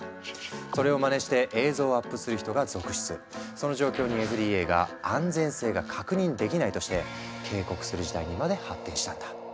その状況にＦＤＡが「安全性が確認できない」として警告する事態にまで発展したんだ。